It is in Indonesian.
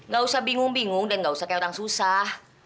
gak usah bingung bingung dan gak usah kayak orang susah